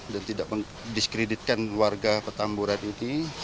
dan tidak diskreditkan warga petamburan itu